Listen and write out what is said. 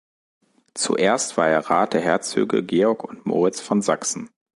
Zuerst war er Rat der Herzöge Georg und Moritz von Sachsen.